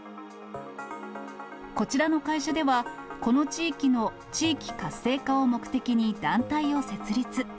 こちらの会社では、この地域の地域活性化を目的に団体を設立。